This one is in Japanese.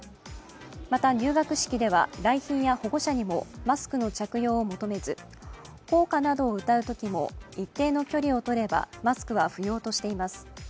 また、入学式では来賓や保護者にもマスクの着用を求めず校歌などを歌うときも一定の距離を取ればマスクは不要としています。